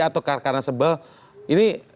atau karena sebel ini